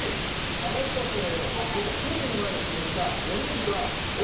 たのしかったね。